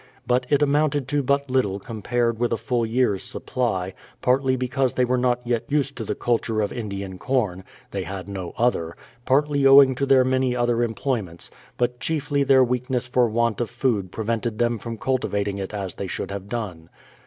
But it amounted to but little compared with a full year's supply, partly because they 108 BRADFORD'S HISTORY OF were not yet used to the culture of Indian corn (they had no other), partly owing to their many other employments; but chiefly their weakness for want of food prevented them from cultivating it as they should have done.